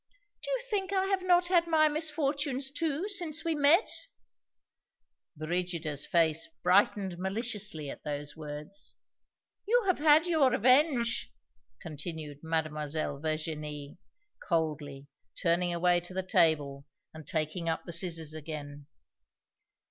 "Do you think I have not had my misfortunes, too, since we met?" (Brigida's face brightened maliciously at those words.) "You have had your revenge," continued Mademoiselle Virginie, coldly, turning away to the table and taking up the scissors again.